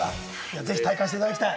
ぜひ体感していただきたい。